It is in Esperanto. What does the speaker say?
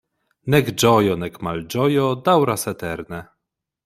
Nek ĝojo, nek malĝojo daŭras eterne.